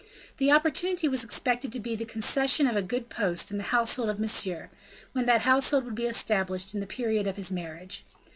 The opportunity was expected to be the concession of a good post in the household of Monsieur, when that household would be established at the period of his marriage.